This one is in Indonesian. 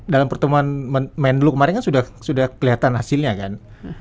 dalam pertemuan menlu kemarin kan sudah kelihatan hasilnya kan